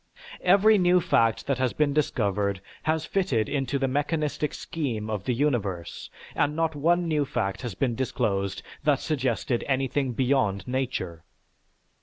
Every new fact that has been discovered has fitted into the mechanistic scheme of the universe, and not one new fact has been disclosed that suggested anything beyond nature.